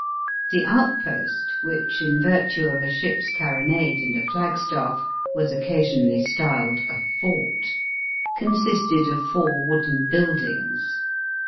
The outpost which, in virtue of a ship s carronade and a flagstaff, was occasionally styled a fort consisted of four wooden buildings.